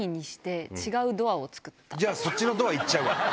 そっちのドア行っちゃうわ。